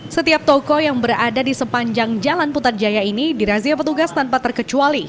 setiap toko yang berada di sepanjang jalan putar jaya ini dirazia petugas tanpa terkecuali